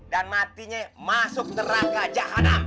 dan matinya masuk neraka jahat